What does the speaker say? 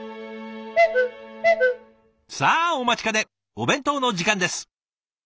さあお待ちかねお弁当の時間です。